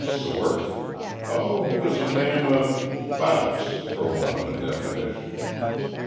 "Sort? Oh he was a man of bouts, for want of a definition.